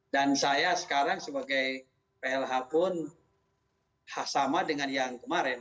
dan saya sekarang sebagai plh pun sama dengan yang kemarin